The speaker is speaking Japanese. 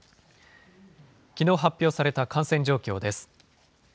きのう発表された感染状況です。